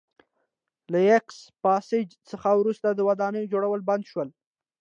له یاکس پاساج څخه وروسته د ودانیو جوړول بند شول